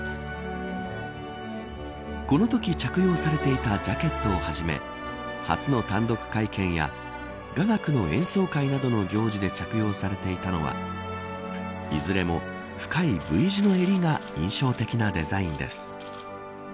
このとき着用されていたジャケットをはじめ初の単独会見や雅楽の演奏会などの行事で着用されていたのはいずれも深いＶ字の襟が印象的なデザインです。